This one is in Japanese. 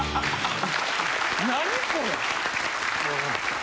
何これ？